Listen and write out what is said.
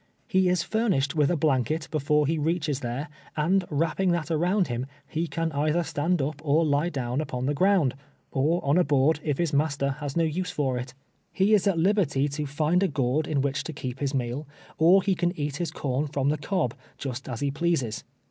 He is furnished with a bhinket before he reaches there, and wrapping that around him, he can either stand up, or lie down upon the ground, or on a board, if his master has no use for it. lie is at liberty to find a gourd in which to keep his meal, or he can eat his corn from the cob, just as he j)leases.